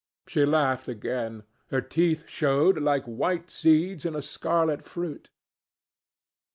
She laughed again. Her teeth showed like white seeds in a scarlet fruit.